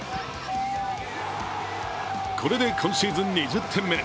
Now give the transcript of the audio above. これで今シーズン２０点目。